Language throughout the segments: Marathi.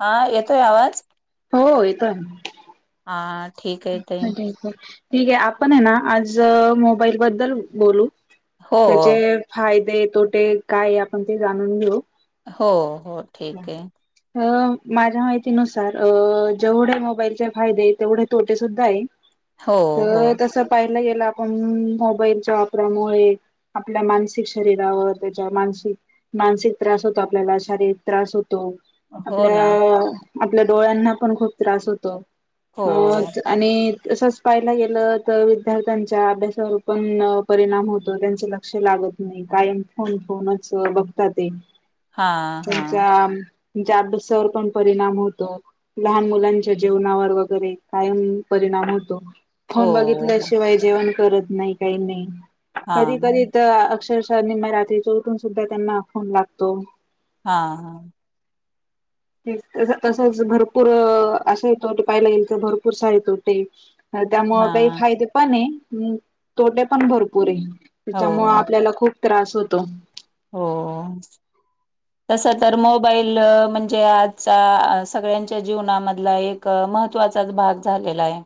हा येतोय आवाज. हो येतोय ना. आठ- अ [unintelligible] ठीक आहे आपण आहे ना, आज मोबाईल बद्दल बोलू. हो त्याचे फायदे ते तोटे काय आपण ते जाणून घेऊ. हो! हो ठीक आहे. अ माझ्या माहितीनुसार अ जेवढे मोबाईलचे फायदे तेवढे तोटे सुुद्धा आहे. हो हो तर तस पाहि गेला आपण मोबाईलच्या वापरामुळे आपल्या मानसिक शरीरावर त्याच्या मानसिक मानसिक त्रास होतो आपल्याला शारीर. त्रास होत त हो आपल्या ना आपल्या डोळ्यांना पण खूप त्रास होतो. हो अ आणि, तच पाहायला गेलं तर विद्यार्थ्यांच्या अभ्यासावर पण परिणाम होतो त्यांच लक्ष लागत नाही कायम फोन फोनच बघत ते! हा हा! त्याअभसावर पण परिणाम होतो लहान मुलांच्या जेवनावर वगैरे कायम परिणाम होतो. हो फोन हो बघितल्याशिवाय जेवण. करत नाही काही नाही. हा कधी करी तर अक्षर. रात्री च उठून सुद्धा त्यांना फन लागतो. हा हा. ते तसच भरपूर असं येतो पाहिला गेल तर भरपूर साहेत होते. त्यामुं काही हा फायदे पण आहे. हम्म तोटे. पण भरपूर आहे त्याच्यामुळे हो आपल्याला खूप त्रास होतो. हो तस तर मोबाईल म्हणजे आजचा सगळ्यांच्या जीवनामधला एक महत्त्वाचाच भाग झालेला आहे.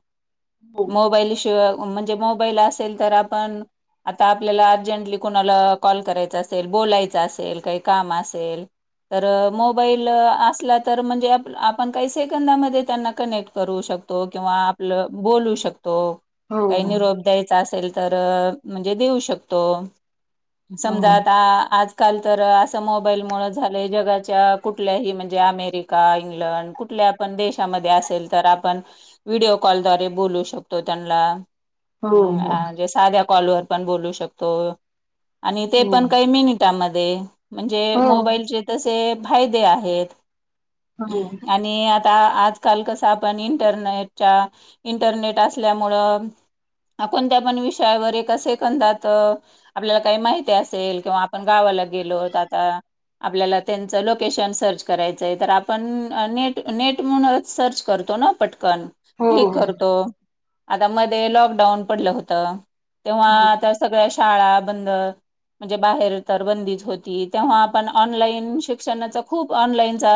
हो मोबाईल शिवा म्हणजे मो मोबाईल असेल तर आपण आता आपल्याला अर्जंटली कणाला कॉल करायचा असेल बोलायच असेल काही काम असेल तर मोबाईल असला तर म्हणजे आपण काही सेकंदामध्ये त्यांना कनेक्ट करू शकतो किंवा आपलं. बोलू शकतो. तो काही हो नि रोप द्यायचा असेल. तर म्हणजे देऊ शकतो. हो समजा आता आज काल तर असं मोबाईलमुळे झालंय जगाच्या कुठल्याही म्हणजे अमेरिका इंग्लंड कुठल्या आपण देशामध्ये असेल तर आपण व्हिडिओ कॉल दवारे बोलू शकतो त्यांना. हो हो हम् जे साध्या. कॉलवरर पण बोलू शकतो. आणि ते हो पण काही मिनिटामध्ये. ते म्हणजे हो मोबाईलचे तसे फायदे आहेत हो आणि आता आता आजकाल कस आपण इंटरनेटच्या इंटरनेट असल्यामुळं कोणत्या पण विषयावर एका सेकंदात आपल्याला काही माहिती असेल किंवा आपण गावाला गेलो तर आता आपल्याला त्यांचं लोकेशन सर्च करायचंय तर आपण नेट नेट म्हणूनच सर्च करतो ना पट ण एक हो करतो आता मध्ये लॉकडाऊन पडलं होतं तेव्हा हो आता सगळ्या शाळा बंद म्हणजे बाहेर तर बंदीच होती तेव्हा आपण ऑनलाईन शिक्षणाचा खूप ऑनलाईनचा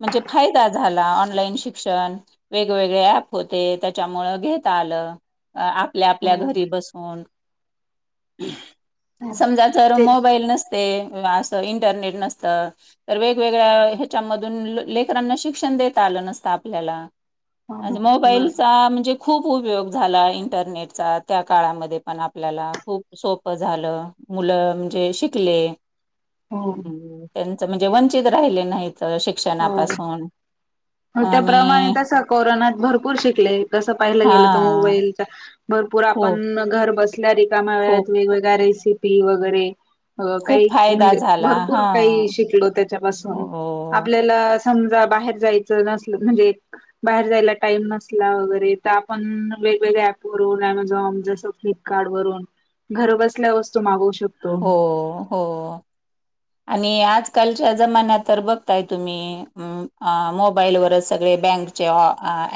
म्हणजे फायदा झाला ऑनलाईन शिक्षण वेगवेगळेप होते त्याच्यामुळं घता आलं अ आपल्या आपल्या हो हो घरी बसून ह समजा तर ते मोबाईल नसत ते असं इंटरनेट नसत तर वेगवेगळ्या ह्याच्यामधून लेकरांना शिक्षण देता आलं नसतं आपल्याला आज होा मोबाईलचा म्हणजे खूप उपयोग झाला इंटरनेटचा त्या काळामध्ये पण आपल्याला खूप सोप झालं मुलं म्हणजे शिकले. हो हम्म त्यां म्हणजे वंचित राहिले नाहीत. हो शिक्षणापासून आणि त्याप्रमाणे तस कोरोना भरपूर शिकले कस पाहिलं हा गेलं तर मोबाईलचा भरपूर खूप आपण घर बस ल्या रिकाम्या वेळेत खूप वेगवेगळ्या रेसी टी वगैरे अ काही खूप फायदा म्हणजे झाला भरपूर हा काही शिकलो त्याच्यापासून हो आपल्याला समजा बाहेर जायच च नसलं म्हणजे बाहेर जायला टाईम नसला वगैरे तर आपण वेगवेगळ्या ॲपवरून ॲमेझॉन जस फ्लिपकार्ट वरून घर बसल्या वस्तू मागगू शकतो. हो हो. आणि आजकालच्या जमान्यात तर बघताय तुम्ही मोबाईलवरच सगळे बँकचे ऑ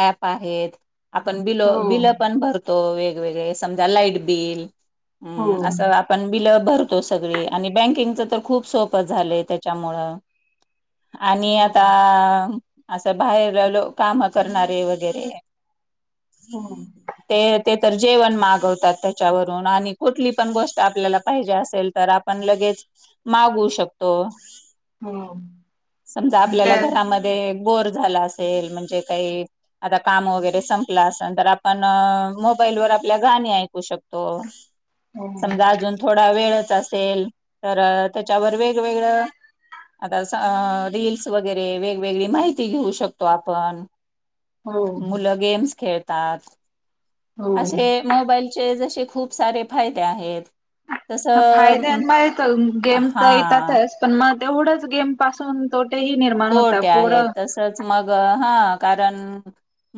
ऍप आहेत. आपण बिल हो बिल पण भरतो वेग वेगवेगळे समजा लाईट बिल हो हम्म असं आपण बिल भरतो सगळी आणि बँकिंगच तर खूप सोपं झालय त्याच्यामुळं आणि हो आता असं बाहेर लो काम करणारे वगैरे हो ते ते तर जेवण मागवतात त्याच्यावरून आणि कुठली पण गोष्ट आपल्याला पाहिजे असेल तर आपण लगेच मागवू शकतो. हो समजा आपल्याला त्या घरामध्ये बोर झाला असेल म्हणजे काही आता काम वगैरे संपलं असेल तर आपण मोबाईल वर आपल्या गाणी ऐकू शकतो. हो समजा अजून थोडा वेळच असत असेल तर त्याच्यावर वेगवेगळ आता रील्स वगैरे वेगवेगळी माहिती घेऊ शकतो आपण हो मुलं गेम्स खेळ तात हो. असे मोबाईलचे जसे खूप सारे फायदे आहेत हा तसं फायद्यामुळे तर गेम तर हा येतातच पण मग तेवढंच गेम पासून तोटेही निर्माण होता तोटे आहे पोरं तसच मग हा कारण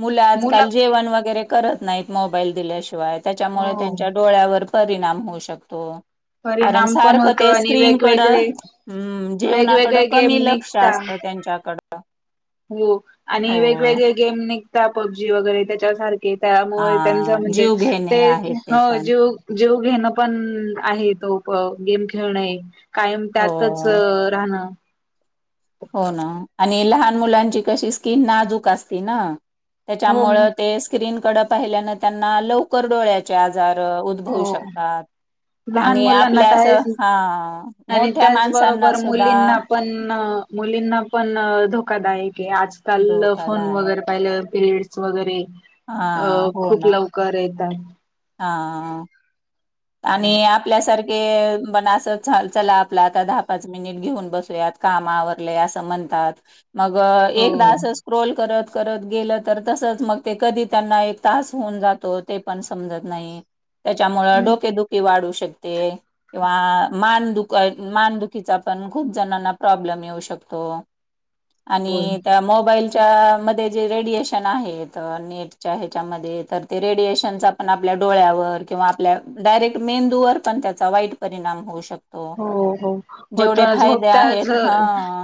मुलं आजकाल जेवण वगैरे करत नाहीत मोबाईल दिल्याशिवाय त्याच्यामुळे हो त्यांच्या डोळ्यावर परिणाम होऊ शकतो कारण परिणाम पण सारख होतो ते आणि स्क्रीनकड वेगवेगळे अम्म जेवणाकड वेगवेगळे गेम कमी लक्ष निघता त्यांच्याकडे हो आणि वेगवेगळे गेमने पबजी वगैरे त्याच्या सारखे हा त्यामुळे त्यांच म्हणजे जीव घेणे ते आहे ते ह पण जीव जीव घेणं पण आहे तो गेम खेळणें कायम हो त्यातच राहणं. हो ना आणि लहान मुलांची कशी स्किन नाजूक असती ना. हो त्याच्यामुळे ते स्क्रीन कडे पाहिल्यान त्यांना लवकर डोळ्याचे आजार. आजार हो उद्भवू शकतात, लहान आणि मुलांना आपल्या तर अस आहेच हा आणि मोठ्या माणसांना त्याचबरोबर सुद्धा मुलींना पण मुलींना पण धोका कदाय [unintelligible] आजकाल फोन धोकादायक वगैरे पाहिलं पिरियडस वगैरे हा अं हो खूप ना लवकर येतात. हा. आणि आपल्यासारखे पण असं चला आपलं आता दहा-पाच मिनिट घेऊन बसुयात, काम आवरले असं म्हणतात. मग हो एकदा अस स्क्रोल करत. करत गेलं तर, तसच मग ते कधी त्यांना एक तास होऊन जातो ते पण समजत नाही. त्याच्यामुळे डोक. वाढू शकते, किंवा मानदुखीचा पण खूप जणांना प्रॉब्लेम येऊ शकतो. बोल आणि त्या मोबाईल च्या मध्ये जे रेडिएशन आहेत, नेटच्या ह्याच्यामध्ये तर ते रेडिएशन आपण आपल्या डोळ्यावर किंवा आपल्या डायरेक्ट मेंदू वर पण त्याचा वाईट परिणाम होऊ शकतो. हो, हो होतो, जेवढे फायदे झोपता झ आहेत हा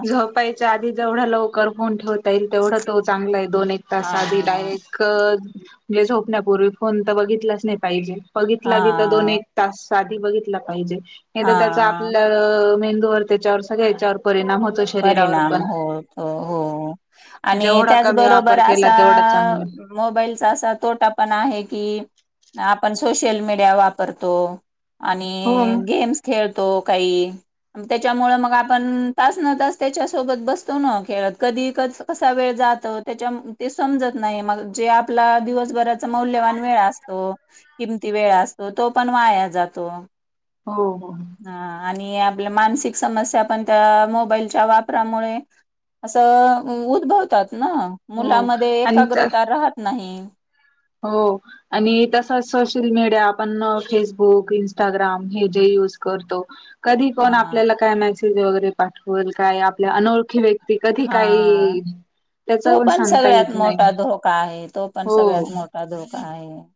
झोपायच आधी. जेवढ्या लवकर फोन ठेवत येईल तेवढा तो चांगला आहे, दोन-एक-तास आधी हा डायरेक म्हणजे झोपण्यापूर्वी फोन तर बघितलाच नाही पाहिजे. बघितला बी तर हा दोन-एक-तास. आधी बघितला पाहिजे. त्याच. हा आपलं मेंन. मेंदूवर त्याच्यावर सगळ्या याच्यावर परिणाम होतो. शरीरावर परिणाम पण होतो, हो आणि जेवढा कमी त्याचबरोबर वापर केला असा तेवढा चांगला मोबाईलचा असा तोटा पण आहे की. पण सोशल मीडिया वापरतो. हो आणि हो गेम्स खेळतो. काई त्याच्या मुळ मग आपण. न तास त्याच्या सोबत बसतो न खेळत कधी क कसा वेळ जातो त्याच्या ते समजत नाही मग जे आपला दिवसभराचा मौल्यवान वेळ असतो किमती वेळ असतो तो पण वाया जातो हो हो हा आणि आपल्या मानसिक समस्या पण त्या मो मोबाईलच्या वापरामुळे असं उद्भवतात हो मुलामध्ये आणि एकाग्रता राहत नाही हो आणि तस सोशल मीडिया आपण फेसबुक इंस्टाग्राम हे जे युज करतो कधी कोण हा आपल्याला कायमाय वैरे पाठल काय आपल्या अनोळखी व्यक्ती कधी हा काही त्याच तो पण सांगता सगळ्यात येत मोठा नाही धोका आहे तो पण हो सगळ्यात मोठा अधो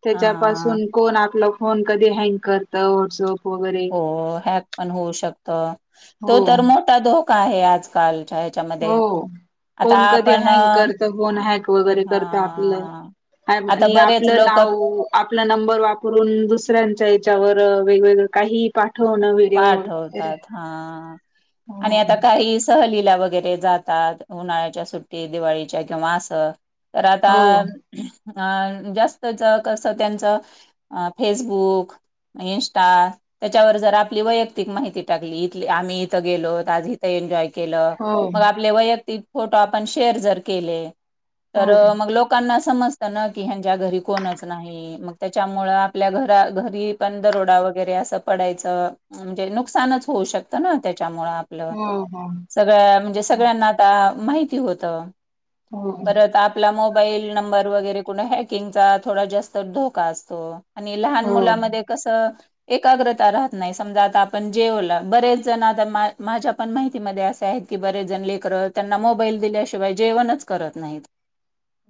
त्याच्यापासून कोण आपलं फोन कधी हँग करत व्हॉट्सअप वगैरे हो हॅक पण होऊ शकत तो हो तर मोठा धोक का आहे आजकाल हो कोण कधी आपण हँक अ, करत फन हॅक वगैरे हा करत आपलं आता आणि बरेच आपलं लोक नाव आपला नंबर वापरून दुसऱ्यांच्या याच्यावर वेगळे पाठवतात हा आणि हो आता काही सहली ल्या वगैरे जातात उन्हाळ्याच्या सुट्टी दिवाळीच्या किंवा असं तर आता हो अ जास्तच कसं त्यांचं फेसबुक इं्स्टा त्याच्यावर जर आपली वैयक्तिक माहिती टाकली इथली आम्ही इथं गेलोत आज इथं एन्जॉय के हो मग आपले वैयक्तिक फोटो आपण शेअर जर केले तर हो मग लोकांना समजत ना की हच्या घरी कोणच नाही मग त्याच्यामुळे आपल्या घ घरी पण दरोडा वगैरे अस प म्ह नुकसानच होऊ शकत त्या हो हो स म्हण सना आ माहिती होत हो परत आपला मो मोबाईल नंबर वगैरे कुठ हॅकिंगचा थोडा जास्त धोका असतो आणि लहान हो मुलामध्ये कसं एका्र राहत नाही समजा आ आपण जेवला बरेच जण आता माझ्या पण माहितीमध्ये असे आहेत की बरेच जण लेकर त्यांना मोबाईल दिल्याशिवाय जेवणच करत नाहीत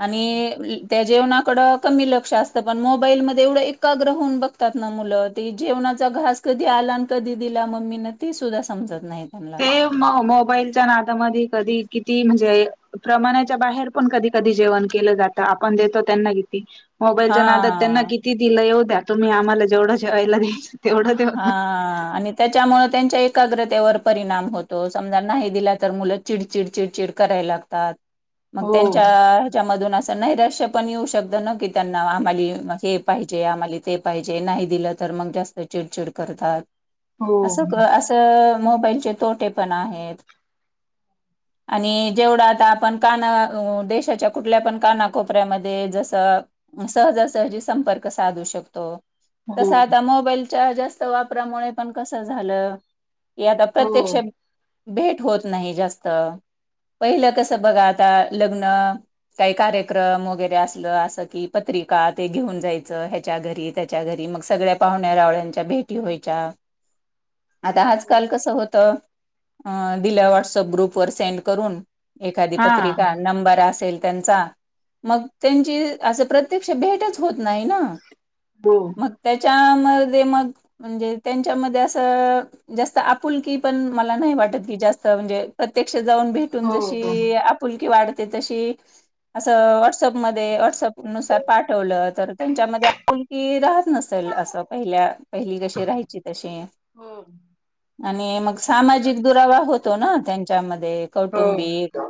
आणि त्या जेवणाकड कमी लक्ष असतं पण मोबाईलमध्ये एवढं एकाग्र होऊन बघतात ना मुलं ते जेवणाचा घास कधी आला आणि कधी दिला मम्मीने ते सुद्धा समजत नाही त्यांना. ते म मोबाईलच्या नादामध्ये कधी किती म्हणजे प्रमाणाच्या बाहेर पण कधी कधी जेवण केलं जातं आपण देतो त्यांना किती मोबाईलच्या नादात त्यांना हा. किती दिलं एद्या तुमही आम्हाला जवं हा आणि त्याच्यामुळे त्यांच्या एक एकाग्रतेवर परिणाम होतो समजा नाही दिला तर मुलं चिडचिडचिडचिड करायला लागतात मग हो त्यांच्या ह्याच्या मधून अस नैरा्य पण येऊ शकत की त्यांना आम्हा हे पाहिजे आम्हा ते पाहिजे नाही दिलं तर मग जास्त चिडचिड करतात हो असं क असं मोबाईलचे तोटे पण आहेत आणि जेवढा आता आपण काना देशाच्या कुठल्या पण कानाकोपऱ्यामध्ये जस सहजासहजी संपर्क साधू शकतो हो तसं आता मोबाईल चार जास्त वापरामुळे पण कस झालं यात हो अप्रत्यक्ष भेट होत नाही जास्त पहिलं कसं बघा आता लग्न काही कार्यक्रम वगैरे असलं असं कि पत्रिका ते घेऊन जायचं ह्याच्या घरी त्याच्या घरी मग सगळ्या पाहुण्या रावळ्यांच्या भेटी व्हायच्या आता आजकाल कसं होतं दिल्या व्हॉट्सअप ग्रुप वर सेंड करून एखादी हा पत्रिका नंबर असेल त्यां मग त्यांची अस प्रत्यक्ष भेटच होत. नाही ना हो. मग त्यामध्ये मग त्यांच्यामध्ये असा जास्त आपुलकी पण मला नहीं वाटत. जाऊन भेटून हो हो. जशी आपुलकी वाढ. ते तशी असा वॉट्सअपमध्ये वॉट्सअप नुसार पाठवलं तर त्यांच्यामध्ये की रहात नसेल अस पहिल्या पहिली कशी राहायची तसे हो. आणि मग सामाजिक दुरावा होतो ना त्यांच्यामध्ये हो. कौटुंबिक